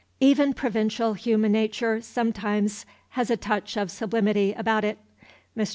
Even provincial human nature sometimes has a touch of sublimity about it. Mr.